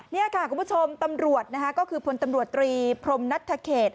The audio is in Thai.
นี่ค่ะคุณผู้ชมตำรวจนะคะก็คือพลตำรวจตรีพรมนัทธเขต